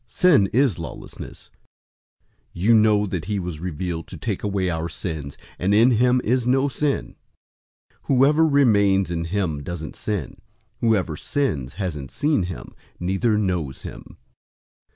Sin is lawlessness. 003:005 You know that he was revealed to take away our sins, and in him is no sin. 003:006 Whoever remains in him doesn't sin. Whoever sins hasn't seen him, neither knows him.